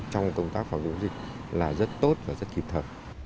trong công tác phòng chống dịch là rất tốt và rất kịp thời